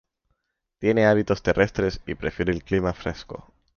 Tiene hábitos terrestres y prefiere el clima fresco.